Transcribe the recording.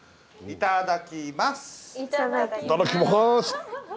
いただきます！